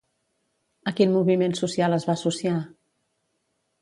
A quin moviment social es va associar?